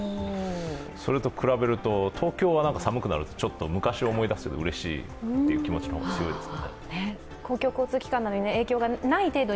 それと比べると、東京は寒くなると昔を思い出してうれしいという気持ちも強いですね。